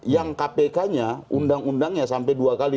yang kpk nya undang undangnya sampai dua kali